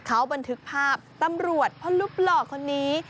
เขาบันทึกภาพตำรวจพ่อรูปหล่อคนนี้